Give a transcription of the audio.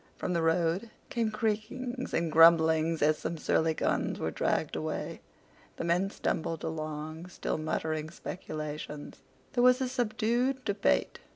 From the road came creakings and grumblings as some surly guns were dragged away. The men stumbled along still muttering speculations. There was a subdued debate.